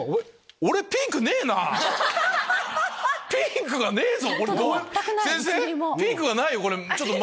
ピンクがねえぞ！